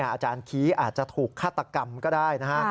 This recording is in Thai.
อาจารย์คี้อาจจะถูกฆาตกรรมก็ได้นะฮะ